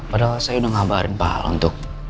padahal saya udah ngabarin pak untuk